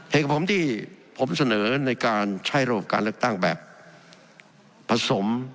เหตุผลที่ผมเสนอในการใช้ระบบการเลือกตั้งแบบผสม